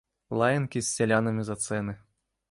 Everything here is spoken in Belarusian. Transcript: Лаянкі з сялянамі за цэны.